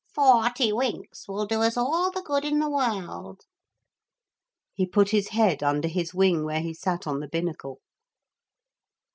'Forty winks will do us all the good in the world.' He put his head under his wing where he sat on the binnacle.